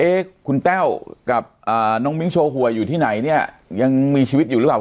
คุณแต้วกับน้องมิ้งโชว์หวยอยู่ที่ไหนเนี่ยยังมีชีวิตอยู่หรือเปล่า